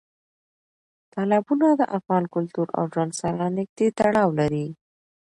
تالابونه د افغان کلتور او ژوند سره نږدې تړاو لري.